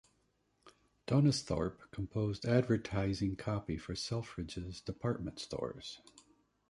Donisthorpe composed advertising copy for Selfridges department stores.